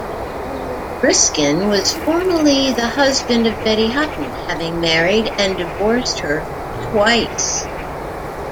Briskin was formerly the husband of Betty Hutton, having married and divorced her twice.